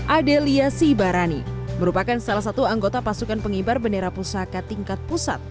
adelia sibarani merupakan salah satu anggota pasukan pengibar bendera pusaka tingkat pusat